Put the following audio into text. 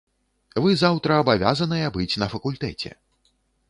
Вы заўтра абавязаныя быць на факультэце.